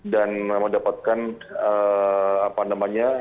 dan mendapatkan apa namanya